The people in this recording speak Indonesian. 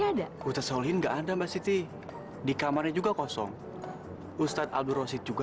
ada ustadz solihin enggak ada mbak siti di kamarnya juga kosong ustadz alburoshid juga